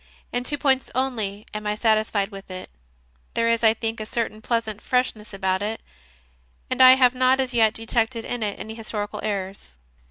In two points only am I satisfied with it: there is, I think, a certain pleasant freshness about it, and I have not as yet detected in it any historical errors.